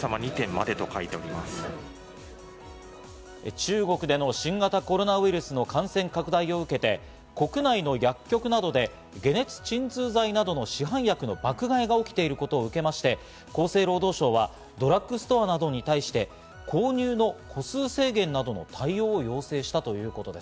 中国での新型コロナウイルスの感染拡大を受けて、国内の薬局などで解熱鎮痛剤などの市販薬の爆買いが起きていることを受けまして、厚生労働省はドラッグストアなどに対して、購入の個数制限などの対応を要請したということです。